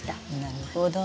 なるほど。